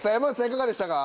いかがでしたか？